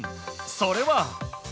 それは。